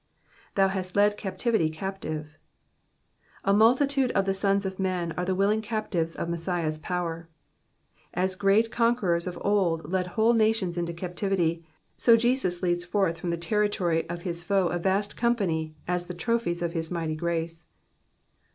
^''Thou hast led captimty captive,'''' A multitude of the sons of men are the willing captives of ^lessiah's power. As great conquerors of old led whole nations into captivity, so Jesus leads forth from the territory of his foe a vast company as the trophies of his mighty grace.